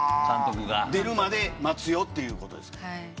出るまで待つよってことですか。